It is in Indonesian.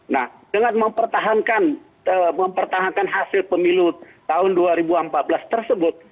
nah dengan mempertahankan hasil pemilu tahun dua ribu empat belas tersebut